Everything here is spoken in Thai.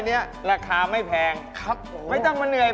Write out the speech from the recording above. เกียร์หมดเลย